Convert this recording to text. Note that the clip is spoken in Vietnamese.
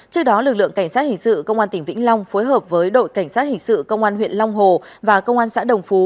trước đó lực lượng cảnh sát hình sự công an tỉnh vĩnh long phối hợp với đội cảnh sát hình sự công an huyện long hồ và công an xã đồng phú